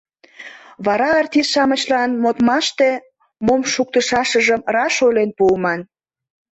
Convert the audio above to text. Вара артист-шамычлан модмаште мом шуктышашыжым раш ойлен пуыман.